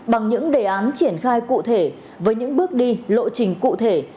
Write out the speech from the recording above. bằng những đề án triển khai cụ thể với những bước đi lộ trình cụ thể